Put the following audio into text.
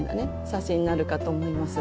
写真になるかと思います。